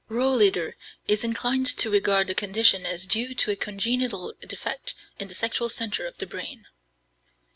Rohleder is inclined to regard the condition as due to a congenital defect in the "sexual centre" of the brain.